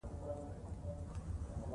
لوډ او نور د بې ارامۍ حالتونه